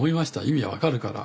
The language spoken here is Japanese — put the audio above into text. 意味は分かるから。